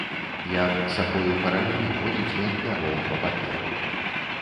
Як сахою па раллі, водзіць ён пяром па паперы.